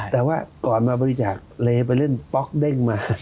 แต่ว่าก่อนมาบริจาคเลไปเล่นป๊อกเด้งมา